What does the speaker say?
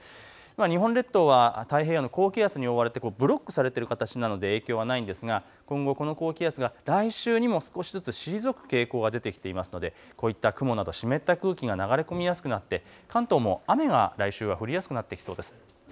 日本列島は高気圧に覆われてブロックされている形なので影響はないですが今後、この高気圧が来週にも少しずつ退く傾向が出てきていますので、こういった雲など湿った空気が流れ込みやすくなって関東も雨が来週降りやすくなってきそうです。